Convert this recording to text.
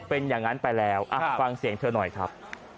เป็นอย่างนั้นไปแล้วฟังเสียงเธอหน่อยครับ